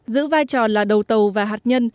giữ vai trò là đầu tàu và hạt nhân